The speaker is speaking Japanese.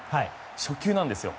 初球なんです。